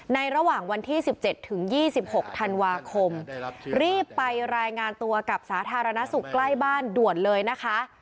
ระหว่างวันที่๑๗ถึง๒๖ธันวาคมรีบไปรายงานตัวกับสาธารณสุขใกล้บ้านด่วนเลยนะคะ